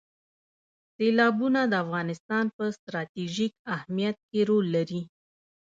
سیلابونه د افغانستان په ستراتیژیک اهمیت کې رول لري.